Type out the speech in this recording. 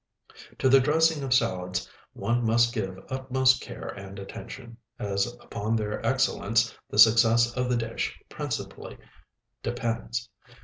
To the dressing of salads one must give utmost care and attention, as upon their excellence the success of the dish principally depends.